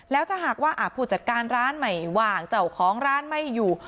แล้วถ้าหากว่าผู้จัดการร้านไม่ว่างเจ้าของร้านไม่อยู่